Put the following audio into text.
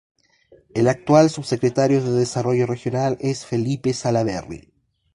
El actual subsecretario de Desarrollo Regional es Felipe Salaberry.